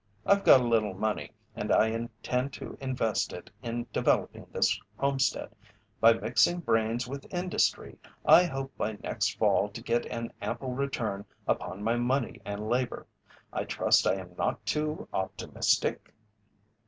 I've got a little money, and I intend to invest it in developing this homestead. By mixing brains with industry I hope by next fall to get an ample return upon my money and labour. I trust I am not too optimistic?"